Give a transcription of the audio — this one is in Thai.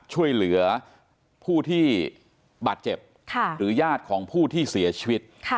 ช่วยเหลือผู้ที่บาดเจ็บหรือญาติของผู้ที่เสียชีวิต